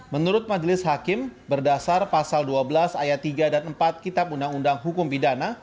menurut majelis hakim berdasar pasal dua belas ayat tiga dan empat kitab undang undang hukum pidana